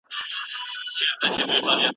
ایا دا موضوع ستا لپاره ګټوره ده؟